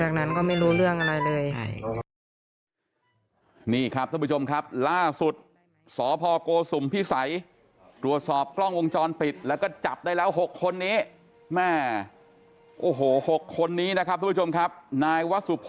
จากนั้นก็ไม่รู้เรื่องอะไรเลยค่ะ